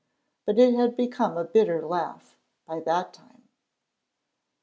But it had become a bitter laugh by that time.